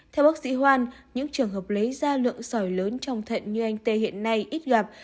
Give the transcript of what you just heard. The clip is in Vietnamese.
theo bác sĩ hoan những trường hợp lấy ra lượng sỏi lớn trong thận như anh tê hiện nay ít gặp